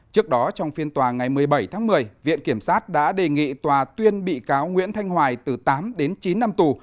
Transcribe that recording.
trước đó trong phiên tòa ngày một mươi bảy tháng một mươi viện kiểm sát đã đề nghị tòa tuyên bị cáo nguyễn thanh hoài từ tám đến chín năm tù